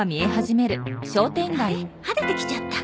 晴れてきちゃった。